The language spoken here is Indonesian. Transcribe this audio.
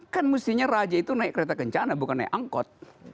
kan mestinya raja itu naik kereta kencana bukan naik angkot